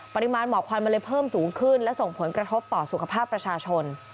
ปริมาณหมอกควันมันเลยเพิ่มสูงขึ้นและส่งผลกระทบต่อสุขภาพประชาชน